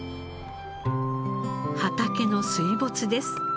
畑の水没です。